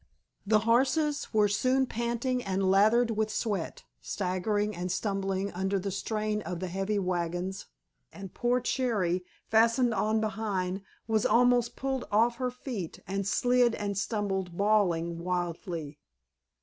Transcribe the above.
The horses were soon panting and lathered with sweat, staggering and stumbling under the strain of the heavy wagons, and poor Cherry, fastened on behind, was almost pulled off her feet, and slid and stumbled bawling wildly.